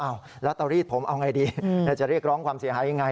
อ้าวแล้วตัวรีดผมเอาไงดีจะเรียกร้องความเสียหายังไง